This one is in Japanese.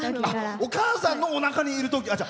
お母さんのおなかにいるときから。